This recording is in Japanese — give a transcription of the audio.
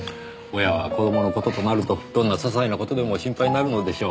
親は子供の事となるとどんな些細な事でも心配になるのでしょう。